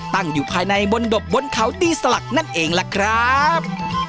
ตั้งอยู่ภายในบนดบบนเขาตีสลักนั่นเองล่ะครับ